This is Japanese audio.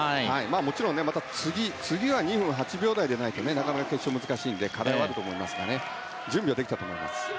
もちろん次は２分８秒台じゃないと決勝は難しいので壁はあると思いますが準備はできたと思います。